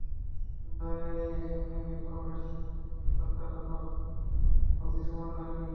নয়ে নেমে কোনো ব্যাটসম্যানের এমন ছক্কায় তখন এমন কিছু মনে হয়নি।